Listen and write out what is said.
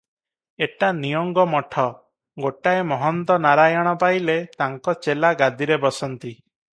ଏଟା ନିଅଙ୍ଗ ମଠ, ଗୋଟାଏ ମହନ୍ତ ନାରାୟଣ ପାଇଲେ ତାଙ୍କ ଚେଲା ଗାଦିରେ ବସନ୍ତି ।